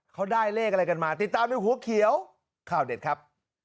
เขาได้เลขอะไรกันมาติดตามในหัวเขียวข่าวเด็ดครับ